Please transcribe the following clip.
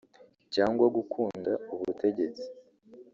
cyangwa gukunda ubutegetsi